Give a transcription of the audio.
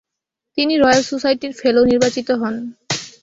তিনি রয়েল সোসাইটির ফেলো নির্বাচিত হন।